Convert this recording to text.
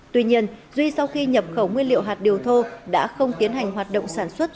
tuy nhiên duy sau khi nhập khẩu nguyên liệu hạt điều thô đã không tiến hành hoạt động sản xuất